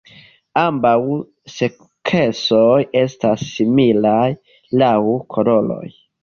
Ambaŭ seksoj estas similaj laŭ koloroj.